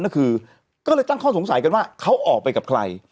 นั่นคือก็เลยตั้งข้อสงสัยกันว่าเขาออกไปกับใคร